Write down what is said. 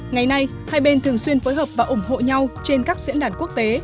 ngày nay hai bên thường xuyên phối hợp và ủng hộ nhau trên các diễn đàn quốc tế